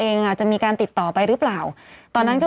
เพื่อไม่ให้เชื้อมันกระจายหรือว่าขยายตัวเพิ่มมากขึ้น